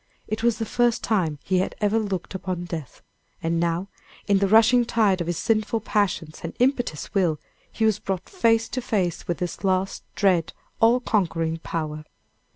It was the first time he had ever looked upon death, and now, in the rushing tide of his sinful passions and impetuous will, he was brought face to face with this last, dread, all conquering power!